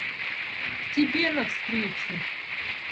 – К тебе навстречу.